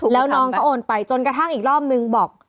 แล้วน้องก็โอนไปจนกระทั่งอีกรอบนึงบอก